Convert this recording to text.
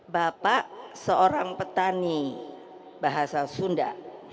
bapak seorang petani bahasa sunda